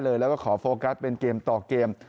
แล้วก็ขอโฟกัสเป็นเกมต่อเกม